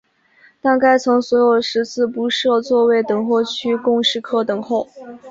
但该层所有食肆不设座位等候区供食客等候。